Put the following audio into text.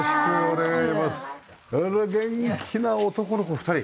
あら元気な男の子２人。